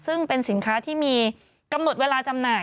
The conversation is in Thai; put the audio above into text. ซึ่งเป็นสินค้าที่มีกำหนดเวลาจำหน่าย